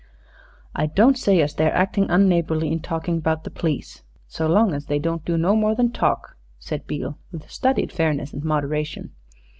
"I don't say as they're actin' unneighborly in talking about the pleece, so long as they don't do no more than talk," said Beale, with studied fairness and moderation.